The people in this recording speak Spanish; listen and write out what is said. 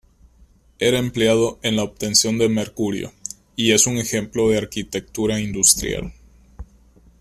Era empleado en la obtención de mercurio y es un ejemplo de arquitectura industrial.